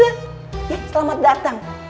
iya selamat datang